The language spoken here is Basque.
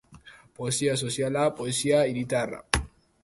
Poesia soziala, poesia hiritarra.